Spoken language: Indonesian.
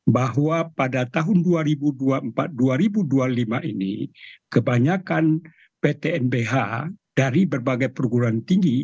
bahwa pada tahun dua ribu dua puluh empat dua ribu dua puluh lima ini kebanyakan pt mbh dari berbagai perguruan tinggi